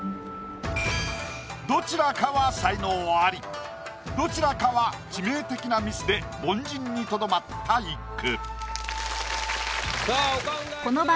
どちらかは才能アリどちらかは致命的なミスで凡人にとどまった一句。